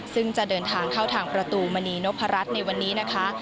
ซึ่งจะเดินทางเข้าทางประตูมณีนพรัชในวันนี้นะคะ